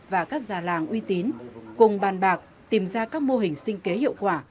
và các già làng uy tín cùng bàn bạc tìm ra các mô hình sinh kế hiệu quả